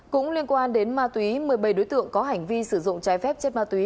cũng liên quan đến ma túy một mươi bảy đối tượng có hành vi sử dụng trái phép chất ma túy